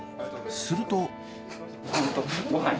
すると。